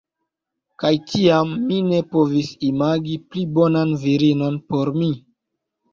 Kaj tiam, mi ne povis imagi pli bonan virinon por mi.